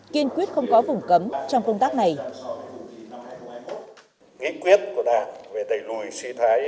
kiên quyết không có vùng đất